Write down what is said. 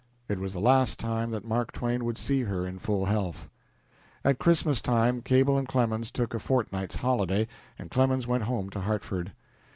It was the last time that Mark Twain would see her in full health. At Christmas time Cable and Clemens took a fortnight's holiday, and Clemens went home to Hartford.